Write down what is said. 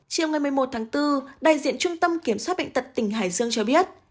chiều ngày một mươi một tháng bốn đại diện trung tâm kiểm soát bệnh tật tỉnh hải dương cho biết